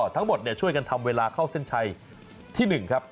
ทั้งหมดเนี่ยช่วยกันทำเวลาเข้าเส้นไชท์ที่หนึ่งครับ